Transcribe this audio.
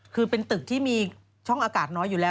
คือเป็นตึกที่มีช่องอากาศน้อยอยู่แล้ว